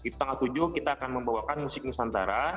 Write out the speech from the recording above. itu tanggal tujuh kita akan membawakan musik nusantara